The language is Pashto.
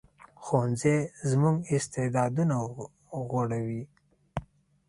ښوونځی زموږ استعدادونه غوړوي